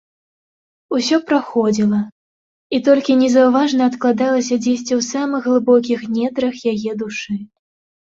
Усё праходзіла і толькі незаўважна адкладалася дзесьці ў самых глыбокіх нетрах яе душы.